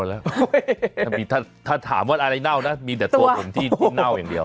ถ้าถามว่าอะไรเน่านะมีแต่ตัวผมที่เน่าอย่างเดียว